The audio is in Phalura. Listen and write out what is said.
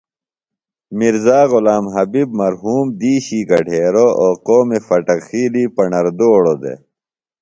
میرزا غلام حبیب مرحوم دِیشی گھڈیروۡ او قومِ فٹک خیلی پݨردوڑہ دےۡ